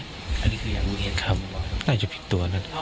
อันนี้คืออยากรู้เหตุครับ